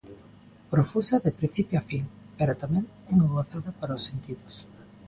Profusa de principio a fin, pero tamén unha gozada para os sentidos.